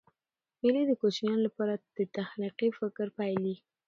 مېلې د کوچنیانو له پاره د تخلیقي فکر پیل يي.